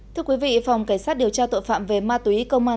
thưa quý vị phòng cảnh sát điều tra tội phạm về ma túy công an